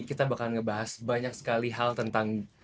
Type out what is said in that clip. kita bakal ngebahas banyak sekali hal tentang